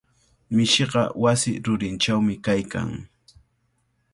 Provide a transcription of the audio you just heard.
Mishiqa wasi rurinchawmi kaykan.